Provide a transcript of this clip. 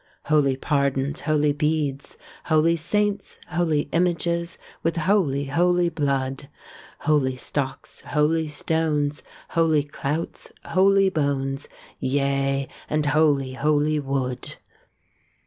Holy pardons, holy beads, Holy saints, holy images, With holy holy blood. Holy stocks, holy stones, Holy clouts, holy bones, Yea, and holy holy wood.